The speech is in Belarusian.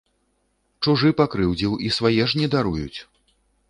Чужы пакрыўдзіў і свае ж не даруюць.